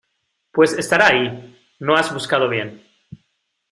Pues estará ahí. No has buscado bien .